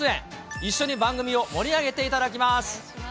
一緒に番組を盛り上げていただきます。